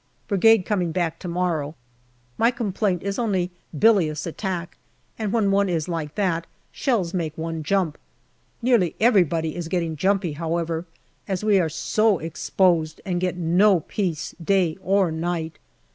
Brigade coming back to morrow. My complaint is only bilious attack, and when one is like that, shells make one jump. Nearly everybody is getting jumpy, however, as we are so exposed and get no peace day or night.